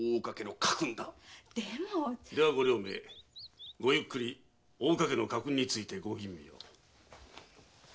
ではご両名ごゆっくり大岡家の家訓についてご吟味を。